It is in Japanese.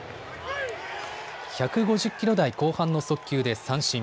１５０キロ台後半の速球で三振。